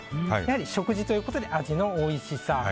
食事ということで味のおいしさ。